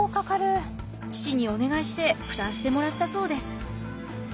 父にお願いして負担してもらったそうです。